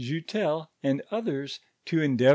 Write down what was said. loutel, and others, to cndeavc